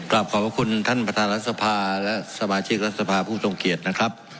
รับขอบคุณท่านประธานรัฐษภาและสมาชิกรัฐษภาผู้ส่งเกียรตินะครับ